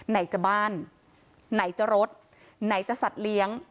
ไหนจะบ้านไหนจะรดไหนจะสัตว์เลี้ยง